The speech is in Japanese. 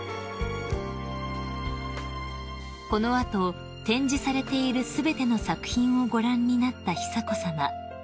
［この後展示されている全ての作品をご覧になった久子さま］